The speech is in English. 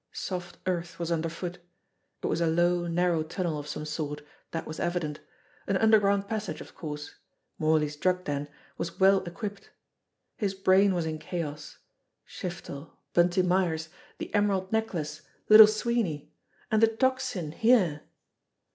Soft earth was under foot. It was a low, narrow tunnel of some sort, that was evident. An under ground passage, of course. Morley's drug den was well equipped ! His brain was in chaos. Shiftel, Bunty Myers, the emer ald necklace, Little Sweeney ! And the Tocsin here